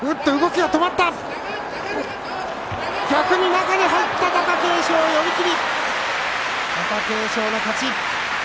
中に入って貴景勝寄り切り、貴景勝の勝ち。